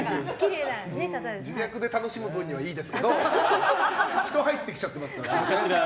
自虐で楽しむ分にはいいですけど人が入ってきちゃってますから。